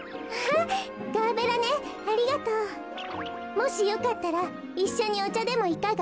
もしよかったらいっしょにおちゃでもいかが？